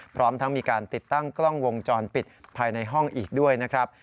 พร้อมทั้งมีการติดตั้งกล้องวงจรปิดภายในห้องอีกด้วยนะครับ